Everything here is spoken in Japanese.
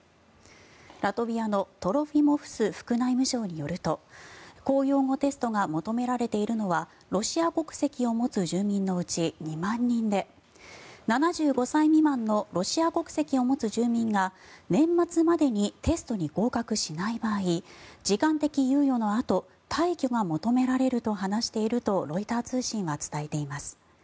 ラトビアのトロフィモフス副内務相によると公用語テストが求められているのはロシア国籍を持つ住民のうち２万人で７５歳未満のロシア国籍を持つ住民が年末までにテストに合格しない場合時間的猶予のあと退去が求められると話しているとロイター通信は伝えています。